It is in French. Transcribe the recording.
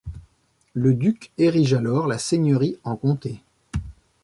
Le duc érige alors la seigneurie en comté.